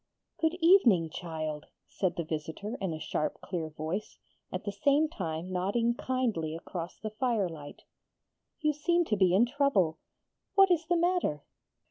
'Good evening, child,' said the visitor in a sharp clear voice, at the same time nodding kindly across the firelight. 'You seem to be in trouble. What is the matter?'